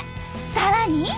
さらに。